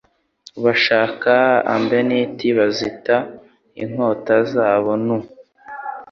Bashaka imbeneti bazita inkota zabo nu